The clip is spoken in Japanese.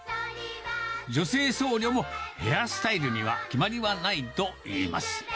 女性僧侶も、ヘアスタイルには決まりはないといいます。